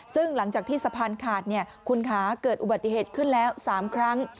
ซึ่งหลังจากที่สะพานขาดคุณคะเกิดอุบัติเหตุขึ้นแล้ว๓ครั้ง